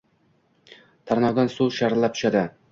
Tarnovdan suv sharillab tushadi.